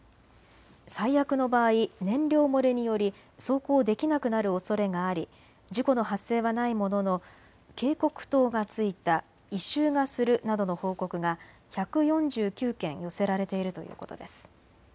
最悪の場合、燃料漏れにより走行できなくなるおそれがあり事故の発生はないものの警告灯がついた、異臭がするなどの報告が１４９件寄せられているということです。